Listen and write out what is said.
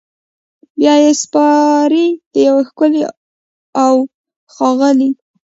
بیا یې سپاري د یو ښکلي اوښاغلي